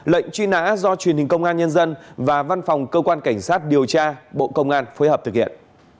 lệnh truy nã do truyền hình công an nhân dân và văn phòng cơ quan cảnh sát điều tra bộ công an phối hợp thực hiện